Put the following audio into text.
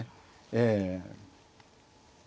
ええ。